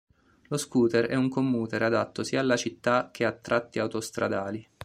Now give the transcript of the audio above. Lo scooter è un commuter adatto sia alla città che a tratti autostradali.